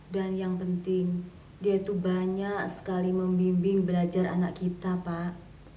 dan yang penting dia itu banyak sekali membimbing belajar anak kita pak